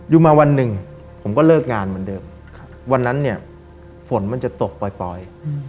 อยู่มาวันหนึ่งผมก็เลิกงานเหมือนเดิมวันนั้นเนี่ยฝนมันจะตกปล่อย